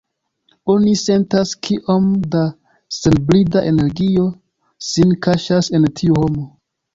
Oni sentas kiom da senbrida energio sin kaŝas en tiu homo.